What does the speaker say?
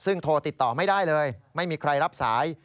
ซึ่งโทรติดต่อไม่ได้เลยไม่มีใครรับสาย